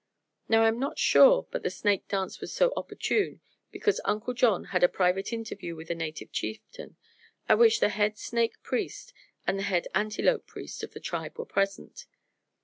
Now I am not sure but the "Snake Dance" was so opportune because Uncle John had a private interview with the native chieftain, at which the head Snake Priest and the head Antelope Priest of the tribe were present.